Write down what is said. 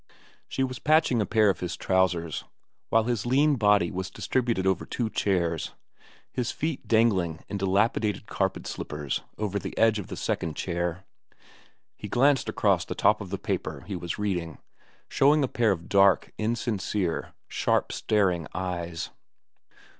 She was patching a pair of his trousers, while his lean body was distributed over two chairs, his feet dangling in dilapidated carpet slippers over the edge of the second chair. He glanced across the top of the paper he was reading, showing a pair of dark, insincere, sharp staring eyes.